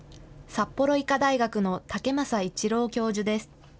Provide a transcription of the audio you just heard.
札幌医科大学の竹政伊知朗教授です。